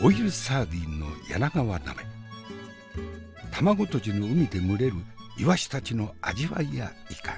卵とじの海で群れるいわしたちの味わいやいかに？